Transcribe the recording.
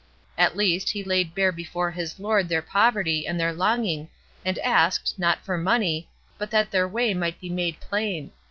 At least, he laid bare before his Lord their poverty and their longing, and asked, not for money, but that their way might be made plain.